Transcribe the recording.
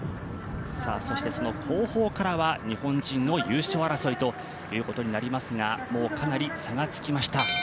そして、その後方から日本人の優勝争いということになりますがかなり差がつきました。